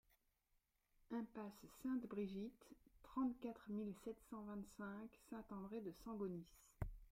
Impasse Sainte-Brigitte, trente-quatre mille sept cent vingt-cinq Saint-André-de-Sangonis